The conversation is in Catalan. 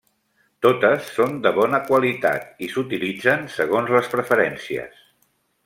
Totes són de bona qualitat i s'utilitzen segons les preferències.